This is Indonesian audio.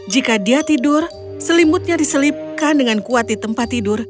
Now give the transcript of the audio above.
jika dia tidur selimutnya diselipkan dengan kuat di tempat tidur